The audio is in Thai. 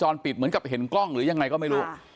ปิดเหมือนกับเห็นกล้องหรือยังไงก็ไม่รู้